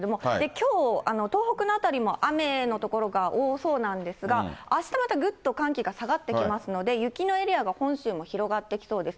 きょう、東北の辺りも雨の所が多そうなんですが、あしたまたぐっと寒気が下がってきますので、雪のエリアが本州も広がってきそうです。